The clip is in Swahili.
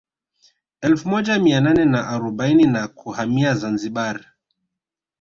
Elfu moja mia nane na arobaini na kuhamia Zanzibar